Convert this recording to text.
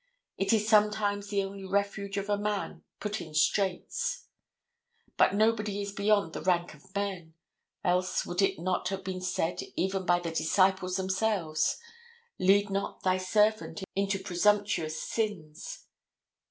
It is sometimes the only refuge of a man put in straits. But nobody is beyond the rank of men. Else would it not have been said even by the disciples themselves, "Lead not thy servant into presumptuous sins."